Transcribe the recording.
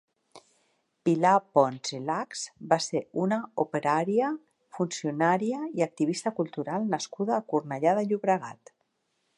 Pilar Pons i Lax va ser una operària, funcionària i activista cultural nascuda a Cornellà de Llobregat.